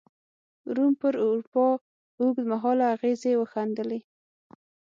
روم پر اروپا اوږد مهاله اغېزې وښندلې.